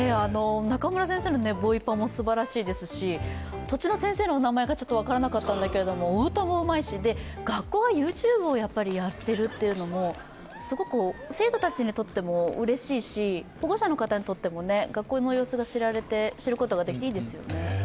中村先生のボイパもすばらしいですし途中の先生のお名前が分からなかったんですけどお歌もうまいし、で学校もＹｏｕＴｕｂｅもやっているというのもすごく生徒たちにとってもうれしいし保護者の方にとっても学校の様子を知ることができていいですよね。